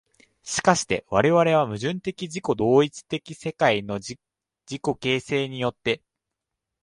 而して我々は矛盾的自己同一的世界の自己形成によって、